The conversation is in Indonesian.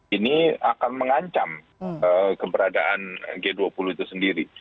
ini akan mengancam keberadaan g dua puluh itu sendiri